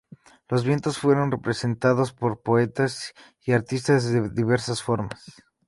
Los vientos fueron representados por poetas y artistas de diversas formas.